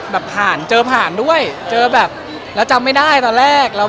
มันแค่เด็กเราแล้วเราเคยมาเจอกันได้ยังไง